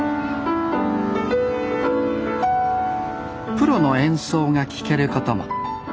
プロの演奏が聴けることも。